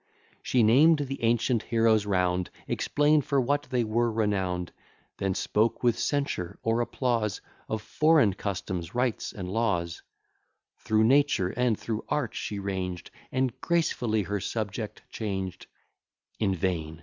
She named the ancient heroes round, Explain'd for what they were renown'd; Then spoke with censure or applause Of foreign customs, rites, and laws; Through nature and through art she ranged And gracefully her subject changed; In vain!